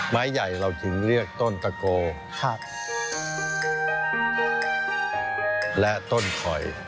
ไม้ใหญ่เราถึงเลือกต้นตะโกและต้นขอย